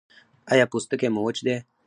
ایا پوستکی مو وچ دی؟